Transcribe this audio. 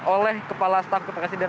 oleh kepala staf kepresiden